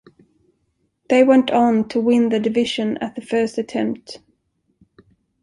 They went on to win the division at the first attempt.